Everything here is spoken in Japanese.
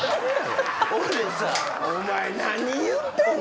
お前何言うてんの。